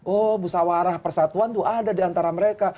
oh musawarah persatuan itu ada di antara mereka